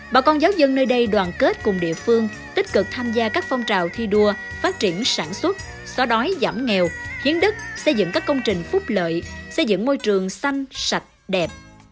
bà con giáo dân nơi đây đoàn kết cùng địa phương tích cực tham gia các phong trào thi đua phát triển sản xuất xóa đói giảm nghèo hiến đức xây dựng các công trình phúc lợi xây dựng môi trường xanh sạch đẹp